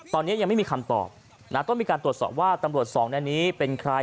ตอนนี้ยังไม่มีคำตอบนะต้องมีการตรวจสอบว่าตำรวจสองในนี้เป็นใคร